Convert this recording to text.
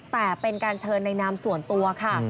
แต่เป็นการเชิญในนามส่วนตัวค่ะ